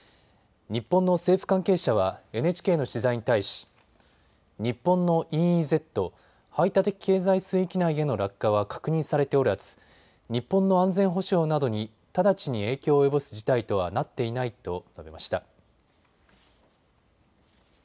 日本の政府関係者はＮＨＫの取材に対し日本のＥＥＺ・排他的経済水域内への落下は確認されておらず日本の安全保障などに直ちに影響を及ぼす事態とはなっていないと述べました。